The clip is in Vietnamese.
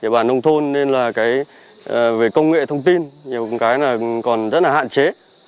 địa bàn nông thôn nên là về công nghệ thông tin còn rất là hạn chế